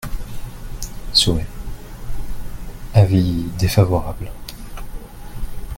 (Sourires.) Avis défavorable.